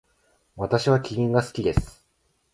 私はキリンが好きです。